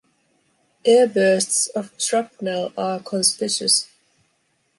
Air-bursts of shrapnel are conspicuous.